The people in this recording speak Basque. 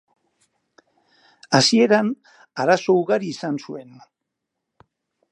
Hasieran, arazo ugari izan zuen.